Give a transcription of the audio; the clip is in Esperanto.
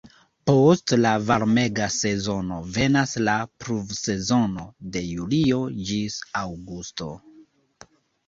Post la varmega sezono venas la "pluvsezono" de julio ĝis aŭgusto.